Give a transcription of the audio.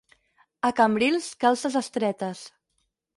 A Cambrils, calces estretes.